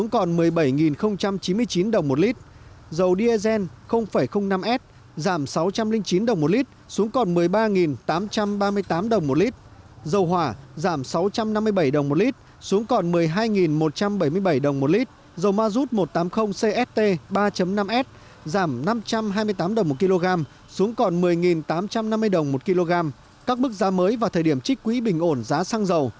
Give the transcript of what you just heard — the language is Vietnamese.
giảm năm trăm hai mươi tám đồng một kg xuống còn một mươi tám trăm năm mươi đồng một kg các mức giá mới và thời điểm trích quỹ bình ổn giá xăng dầu